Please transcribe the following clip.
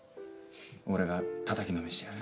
俺がたたきのめしてやる。